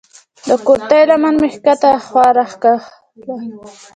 د کورتۍ لمن مې کښته خوا راکښوله.